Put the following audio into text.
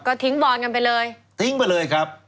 ก็ทิ้งบอนกันไปเลยทิ้งไปเลยครับ